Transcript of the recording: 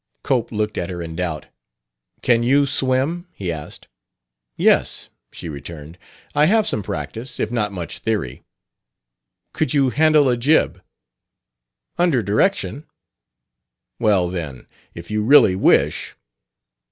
Cope looked at her in doubt. "Can you swim?" he asked. "Yes," she returned. "I have some practice, if not much theory." "Could you handle a jib?" "Under direction." "Well, then, if you really wish